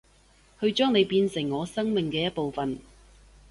去將你變成我生命嘅一部份